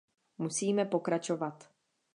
Musíme pokračovat.